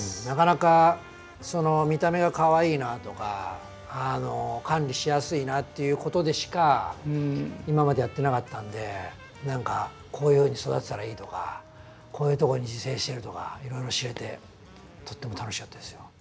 なかなかその見た目がかわいいなとか管理しやすいなっていうことでしか今までやってなかったんで何かこういうふうに育てたらいいとかこういうとこに自生してるとかいろいろ知れてとっても楽しかったですよ。